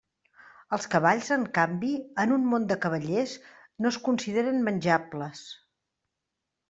Els cavalls, en canvi, en un món de cavallers, no es consideren menjables.